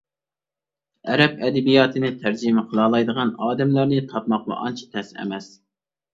ئەرەب ئەدەبىياتىنى تەرجىمە قىلالايدىغان ئادەملەرنى تاپماقمۇ ئانچە تەس ئەمەس.